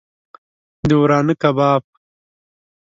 د ورانه کباب